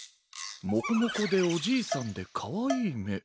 モコモコでおじいさんでかわいいめ？